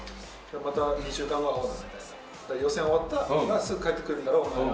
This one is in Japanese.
また２週間後会おうなって、予選終わったらすぐ帰ってくるんだろうと。